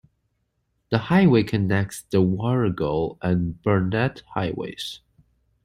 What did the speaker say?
The highway connects the Warrego and Burnett Highways.